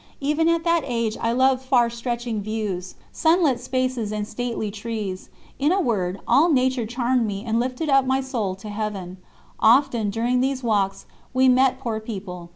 Even at that age I loved far stretching views, sunlit spaces and stately trees; in a word, all nature charmed me and lifted up my soul to Heaven. Often, during these walks, we met poor people.